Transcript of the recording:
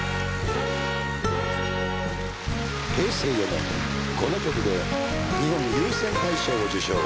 平成４年この曲で日本有線大賞を受賞。